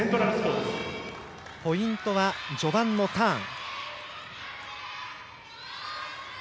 ポイントは序盤のターン。